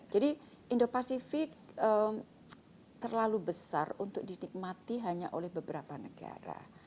jadi indo pacific terlalu besar untuk dinikmati hanya oleh beberapa negara